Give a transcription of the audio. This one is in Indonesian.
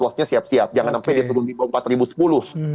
siap siap jangan sampai diturunkan empat sepuluh